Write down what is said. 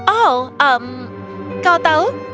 oh kau tahu